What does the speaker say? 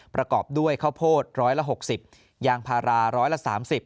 ประกอบด้วยข้าวโพดร้อยละ๖๐ยางพาราร้อยละ๓๐